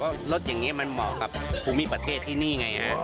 เพราะรถอย่างนี้มันเหมาะกับหุมีประเทศที่นี่ไงครับ